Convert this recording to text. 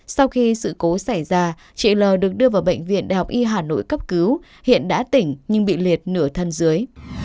sau khi sự cố xảy ra chị l được đưa vào bệnh viện đại học y hà nội cấp cứu hiện đã tỉnh nhưng bị liệt nửa thân dưới